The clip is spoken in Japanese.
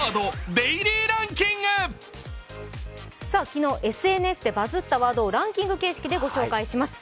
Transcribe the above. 昨日ＳＮＳでバズったワードをランキング形式で紹介します。